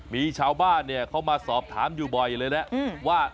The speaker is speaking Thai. มีชาวบ้านเนี่ยเขามาสอบถามอยู่บ่อยเลยนะว่า